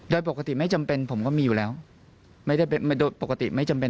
โดยปกติไม่จำเป็นผมก็มีอยู่แล้วไม่ได้เป็นโดยปกติไม่จำเป็น